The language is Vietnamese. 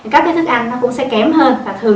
các cái thức ăn nó cũng sẽ kém hơn và thường